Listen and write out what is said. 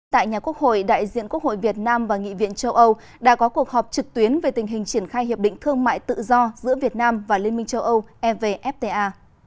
tại nhà quốc hội đại diện quốc hội việt nam và nghị viện châu âu đã có cuộc họp trực tuyến về tình hình triển khai hiệp định thương mại tự do giữa việt nam và liên minh châu âu evfta